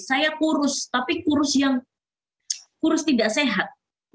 saya kurus tapi kurus yang kurus tidak sehat